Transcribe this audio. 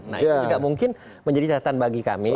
nah itu tidak mungkin menjadi catatan bagi kami